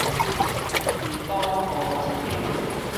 天都烏一爿